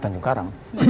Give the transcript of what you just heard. tanyu karang